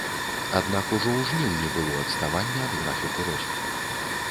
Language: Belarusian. Аднак ужо ў жніўні было адставанне ад графіку росту.